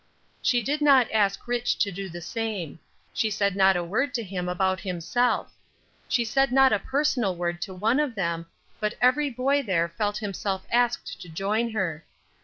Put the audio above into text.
She did not ask Rich. to do the same. She said not a word to him about himself. She said not a personal word to one of them, but every boy there felt himself asked to join her.